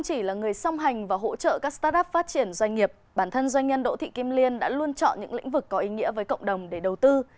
công hành và hỗ trợ các start up phát triển doanh nghiệp bản thân doanh nhân đỗ thị kim liên đã luôn chọn những lĩnh vực có ý nghĩa với cộng đồng để đầu tư